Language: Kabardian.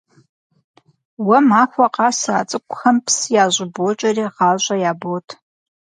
Уэ махуэ къэс а цӀыкӀухэм псы ящӀыбокӀэри, гъащӀэ ябот.